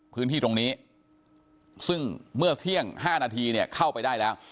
พื้นที่ตรงนี้ซึ่งเมื่อเที่ยง๕นาทีเนี่ยเข้าไปได้แล้ว